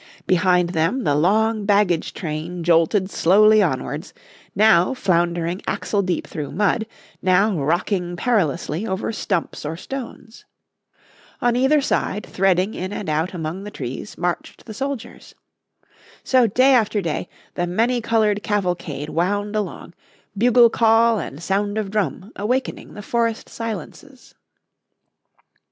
Behind them the long baggage train jolted slowly onwards, now floundering axle deep through mud, now rocking perilously over stumps or stones. On either side threading in and out among the trees marched the soldiers. So day after day the many coloured cavalcade wound along, bugle call and sound of drum awakening the forest silences.